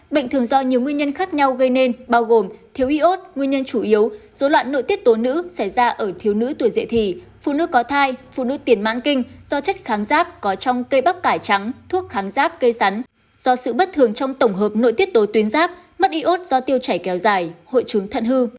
bệnh thường do nhiều nguyên nhân khác nhau gây nên bao gồm thiếu iốt nguyên nhân chủ yếu dối loạn nội tiết tố nữ xảy ra ở thiếu nữ tuổi dậy thì phụ nữ có thai phụ nữ tiền mãn kinh do chất kháng giáp có trong cây bắp cải trắng thuốc kháng giáp cây sắn do sự bất thường trong tổng hợp nội tiết tố tuyến giáp mất iốt do tiêu chảy kéo dài hội chứng thận hư